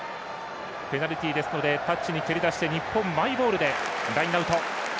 ペナルティですのでタッチに蹴り出して日本、マイボールでラインアウト。